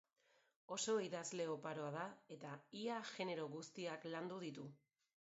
Oso idazle oparoa da, eta ia genero guztiak landu ditu.